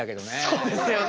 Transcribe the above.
そうですよね。